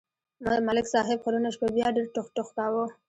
ملک صاحب خو نن شپه بیا ډېر ټوخ ټوخ کاوه